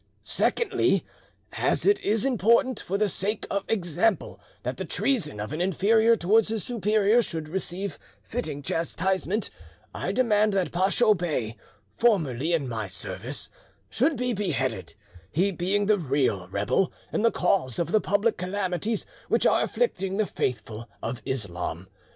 Secondly, as it is important for the sake of example that the treason of an inferior towards his superior should receive fitting chastisement, I demand that Pacho Bey, formerly in my service, should be beheaded, he being the real rebel, and the cause of the public calamities which are afflicting the faithful of Islam.